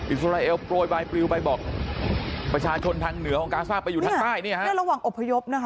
อิสราเอลโปรยบายปลิวไปบอกประชาชนทางเหนือของกาซ่าไปอยู่ทางใต้เนี่ยฮะเนี่ยระหว่างอบพยพนะคะ